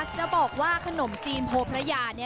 จะบอกว่าขนมจีนโพพระยา